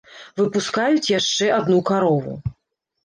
Выпускаюць яшчэ адну карову.